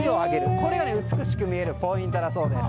これが美しく見えるポイントだそうです。